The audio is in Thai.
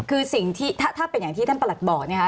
คือสิ่งที่ถ้าเป็นอย่างที่ท่านประหลัดบอกนะคะ